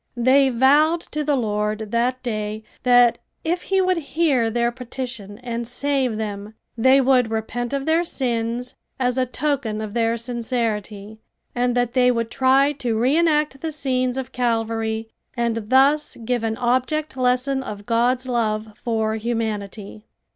They vowed to the Lord that day that if he would hear their petition and save them, they would repent of their sins as a token of their sincerity, and that they would try to re enact the scenes of Calvary and thus give an object lesson of God's love for humanity.